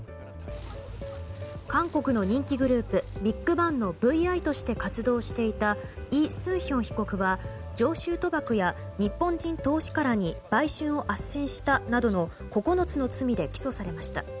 韓国の人気グループＢＩＧＢＡＮＧのＶ．Ｉとして活動していたイ・スンヒョン被告は常習賭博や日本人投資家らに売春をあっせんしたなどの９つの罪で起訴されました。